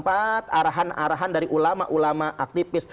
arahan arahan dari ulama ulama aktivis